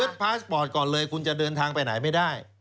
พาสปอร์ตก่อนเลยคุณจะเดินทางไปไหนไม่ได้